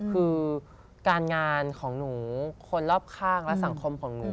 คือการงานของหนูคนรอบข้างและสังคมของหนู